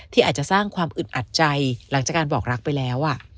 ที่อาจจะสร้างความอึดอัดใจหลังจากการบอกรักไปแล้ว